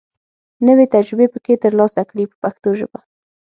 نوې تجربې پکې تر لاسه کړي په پښتو ژبه.